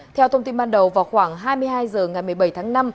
theo thông tin ban đầu vào khoảng hai mươi hai h ngày một mươi bảy tháng năm